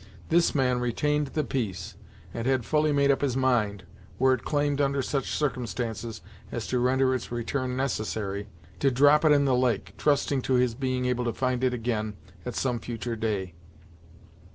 This man retained the piece, and had fully made up his mind, were it claimed under such circumstances as to render its return necessary, to drop it in the lake, trusting to his being able to find it again at some future day.